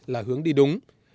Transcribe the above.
là hướng đi đúng